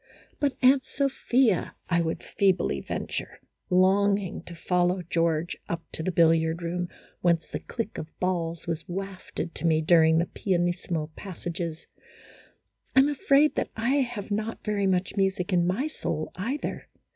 "But, Aunt Sophia," I would feebly venture, longing to follow George up to the billiard room, whence the click of balls was wafted to me during the pianissimo passages, " I 'm afraid that I have not very much music in my soul, either."